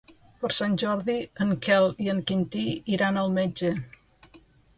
Per Sant Jordi en Quel i en Quintí iran al metge.